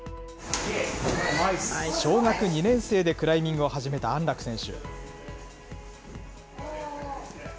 小学２年生でクライミングを始めた安楽選手。